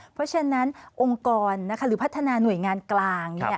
เพราะฉะนั้นองค์กรหรือพัฒนาหน่วยงานกลาง